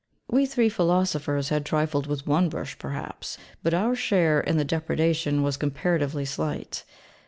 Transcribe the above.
We three philosophers had trifled with one bush perhaps; but our share in the depredation was comparatively slight.